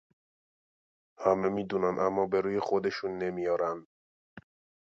همه می دونن اما به روی خودشون نمیارن